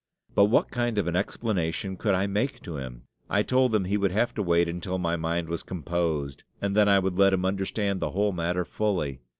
But what kind of an explanation could I make to him? I told him he would have to wait until my mind was composed, and then I would let him understand the whole matter fully.